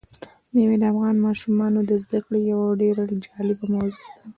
مېوې د افغان ماشومانو د زده کړې یوه ډېره جالبه موضوع ده.